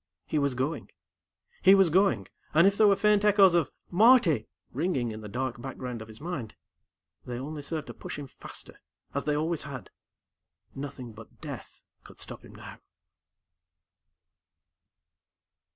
He was going. He was going, and if there were faint echoes of "Marty!" ringing in the dark background of his mind, they only served to push him faster, as they always had. Nothing but death could stop him now.